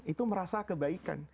itu merasa kebaikan